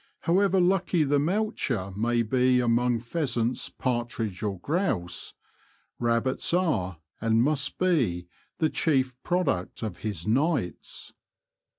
However lucky the moucher may be among pheasants, partridge, or grouse, rabbits are and must be the chief product of his nights.